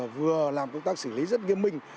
vừa làm công tác xử lý rất nghiêm minh